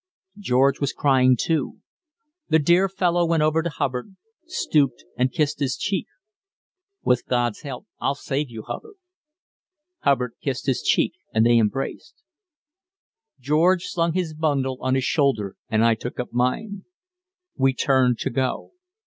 George was crying, too. The dear fellow went over to Hubbard, stooped and kissed his cheek. "With God's help, I'll save you, Hubbard!" Hubbard kissed his cheek, and they embraced. George slung his bundle on his shoulder, and I took up mine. We turned to go.